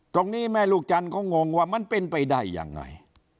ตรงนี้แม่ลูกจันทร์เขางงว่ามันเป็นไปได้ยังไง